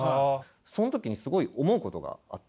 その時にすごい思うことがあって。